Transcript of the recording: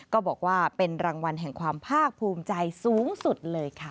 ก็บอกว่าเป็นรางวัลแห่งความภาคภูมิใจสูงสุดเลยค่ะ